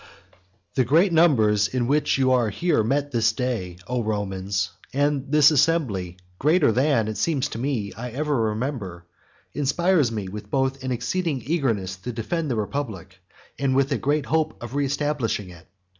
I. The great numbers in which you are here met this day, O Romans, and this assembly, greater than, it seems to me, I ever remember, inspires me with both an exceeding eagerness to defend the republic, and with a great hope of reestablishing it.